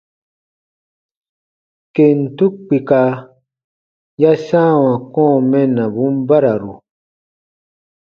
Kentu kpika ya sãawa kɔ̃ɔ mɛnnabun bararu.